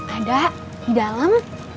ada di dalam